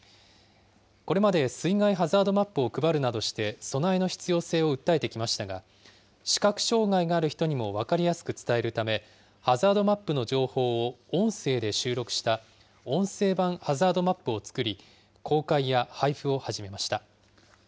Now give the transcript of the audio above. これまで水害ハザードマップを配るなどして、備えの必要性を訴えてきましたが、視覚障害がある人にも分かりやすく伝えるため、ハザードマップの情報を音声で収録した音声版ハザードマップを作り、公開や配布を始めました。